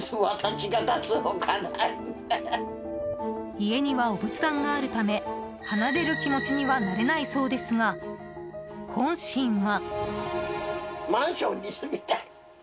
家にはお仏壇があるため離れる気持ちにはなれないそうですが本心は。